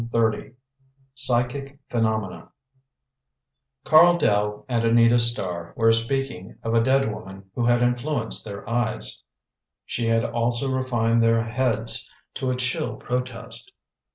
PSYCHIC CARL DELL and Anita Starr were speaking of a dead woman who had influenced their eyes. She had also refined their heads to a chill protest.